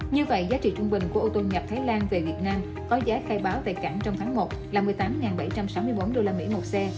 như vậy giá trị trung bình của ô tô nhập thái lan về việt nam có giá khai báo tại cảng trong tháng một là một mươi tám bảy trăm sáu mươi bốn usd một xe